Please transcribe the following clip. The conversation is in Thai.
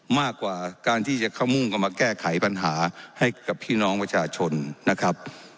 มากกว่าการที่จะเข้ามุ่งกันมาแก้ไขปัญหาให้กับพี่น้องประชาชนนะครับ